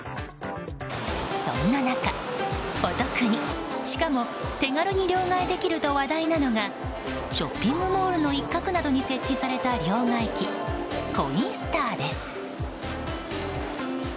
そんな中、お得にしかも手軽に両替できると話題なのがショッピングモールの一角などに設置された両替機、コインスターです。